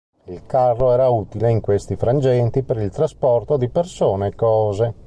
Il carro era utile, in questi frangenti, per il trasporto di persone e cose.